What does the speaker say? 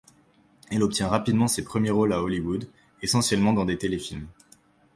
Elle obtient rapidement ses premiers rôles à Hollywood, essentiellement dans des téléfilms.